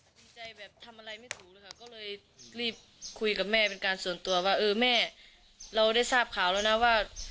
ดีใจแบบทำอะไรไม่ถูกเลยค่ะก็เลยรีบคุยกับแม่เป็นการส่วนตัวว่าเออแม่เราได้ทราบข่าวแล้วนะว่า